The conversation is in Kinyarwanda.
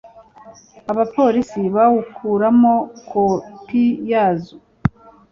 abapolisi bawukoramo kopi yazo